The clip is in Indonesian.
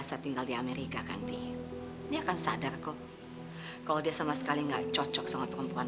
sampai jumpa di video selanjutnya